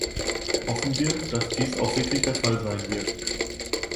Hoffen wir, dass dies auch wirklich der Fall sein wird.